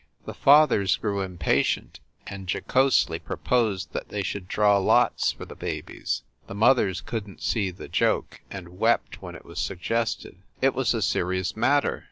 The fathers grew impatient and jocosely proposed that they should draw lots for the babies. The mothers couldn t see the joke, and wept when it was sug gested. It was a serious matter.